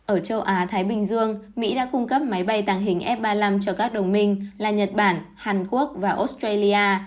ở châu á thái bình dương mỹ đã cung cấp máy bay tàng hình f ba mươi năm cho các đồng minh là nhật bản hàn quốc và australia